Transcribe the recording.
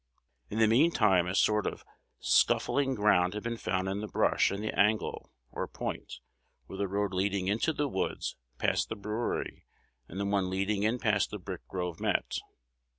In the mean time a sort of a scuffling ground had been found in the brush in the angle, or point, where the road leading into the woods past the brewery, and the one leading in past the brick grove meet.